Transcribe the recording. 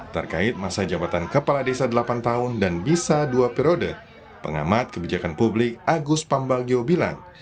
terkait masa jabatan kepala desa delapan tahun dan bisa dua periode pengamat kebijakan publik agus pambagio bilang